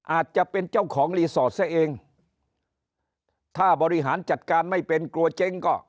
อาจจะเป็นเจ้าของรีสอร์ทซะเองถ้าบริหารจัดการไม่เป็นกลัวเจ๊งก็